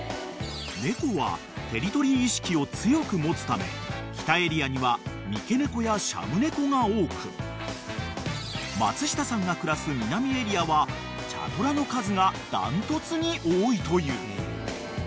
［猫はテリトリー意識を強く持つため北エリアには三毛猫やシャム猫が多く松下さんが暮らす南エリアは茶トラの数が断トツに多いという］